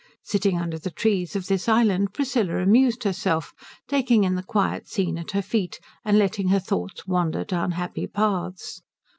Sitting under the trees of this island Priscilla amused herself taking in the quiet scene at her feet and letting her thoughts wander down happy paths.